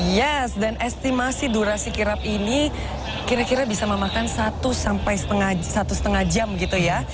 yes dan estimasi durasi kirap ini kira kira bisa memakan satu sampai satu lima jam gitu ya